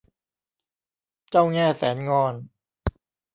เจ้าแง่แสนงอน